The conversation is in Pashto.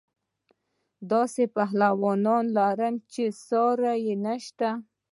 داسې پهلوانان لرم چې ساری یې نشته.